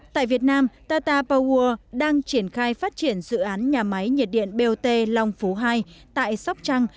tại việt nam tata pawwood đang triển khai phát triển dự án nhà máy nhiệt điện bot long phú hai tại sóc trăng